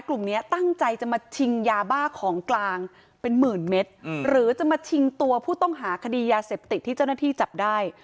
กลุ่มนี้ตั้งใจจะมาชิงยาบ้าของกลางเป็นหมื่นเมตรหรือจะมาชิงตัวผู้ต้องหาคดียาเสพติดที่เจ้าหน้าที่จับได้